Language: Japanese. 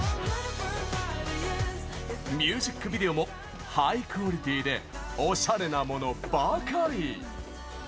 ミュージックビデオもハイクオリティーでおしゃれなものばかり。